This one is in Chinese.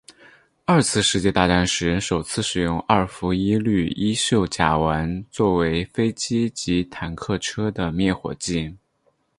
二次世界大战时首次使用二氟一氯一溴甲烷作为飞机及坦克车的灭火剂。